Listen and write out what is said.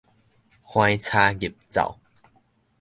橫柴入灶